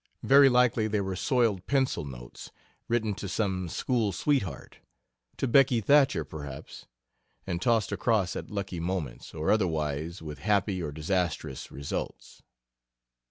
Very likely they were soiled pencil notes, written to some school sweetheart to "Becky Thatcher," perhaps and tossed across at lucky moments, or otherwise, with happy or disastrous results.